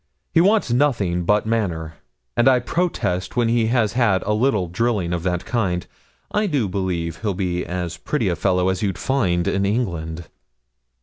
He wants nothing but manner; and I protest when he has had a little drilling of that kind, I do believe he'll be as pretty a fellow as you'd find in England.'